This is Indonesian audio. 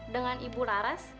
dengan ibu laras